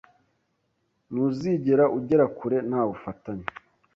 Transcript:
Ntuzigera ugera kure nta bufatanye,